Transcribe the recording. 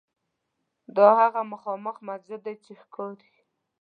دا هغه مخامخ مسجد دی چې ښکاري.